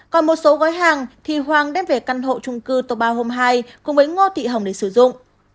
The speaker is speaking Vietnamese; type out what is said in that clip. còn một số gói hàng thì hoàng đem về căn hộ trung cư topa hôm hai cùng với ngô thị hồng để sử dụng